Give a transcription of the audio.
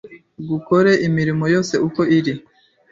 gukore imirimo yose uko iri.